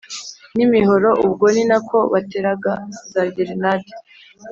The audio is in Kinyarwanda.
N imihoro ubwo ni na ko bateraga za gerenade